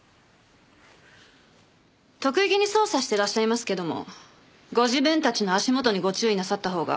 得意げに捜査してらっしゃいますけどもご自分たちの足元にご注意なさったほうが。